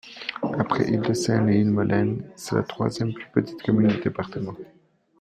Après Île-de-Sein et Île-Molène, c’est la troisième plus petite commune du département.